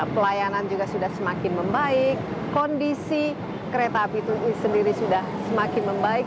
pelayanan juga sudah semakin membaik kondisi kereta api itu sendiri sudah semakin membaik